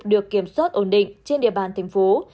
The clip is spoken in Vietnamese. được kiểm soát ổn định trên địa bàn tp hcm